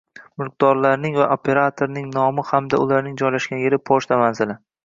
mulkdorning va operatorning nomi hamda ularning joylashgan yeri, pochta manzili